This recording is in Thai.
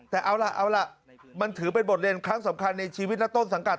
แต่เอาล่ะเอาล่ะมันถือเป็นบทเรียนครั้งสำคัญในชีวิตและต้นสังกัด